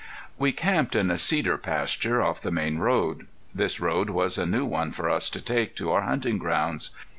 We camped in a cedar pasture off the main road. This road was a new one for us to take to our hunting grounds.